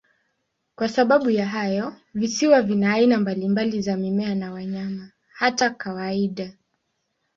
Kwa sababu ya hayo, visiwa vina aina mbalimbali za mimea na wanyama, hata kawaida.